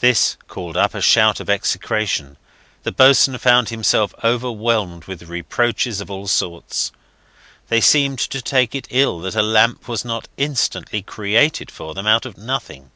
This called up a shout of execration. The boatswain found himself overwhelmed with reproaches of all sorts. They seemed to take it ill that a lamp was not instantly created for them out of nothing.